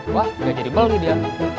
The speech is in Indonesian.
wah dia jadi bal nih dia